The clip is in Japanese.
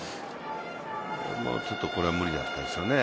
ちょっとこれは無理だったですね。